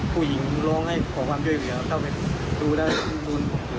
ผู้หญิงร้องให้ขอความช่วยขึ้นเข้าไปดูด้านนู้น